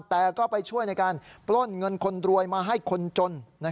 แต่ก็ไปช่วยในการปล้นเงินคนรวยมาให้คนจน